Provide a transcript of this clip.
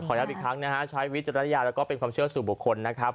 ย้ำอีกครั้งนะฮะใช้วิจารณญาณแล้วก็เป็นความเชื่อสู่บุคคลนะครับ